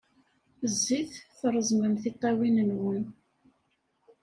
Zzit, treẓmem tiṭṭawin-nwen.